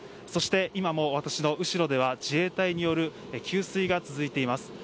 そして今も私の後ろでは自衛隊による給水が続いています。